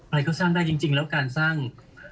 อะไรก็สร้างได้จริงแล้วการสร้าง